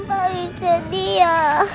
baik sedih ya